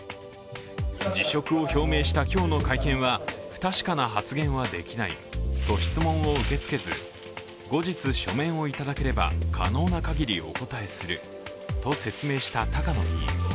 辞職を表明した今日の会見は不確かな発言はできないと質問を受け付けず、後日書面をいただければ、可能なかぎりお答えすると説明した高野議員。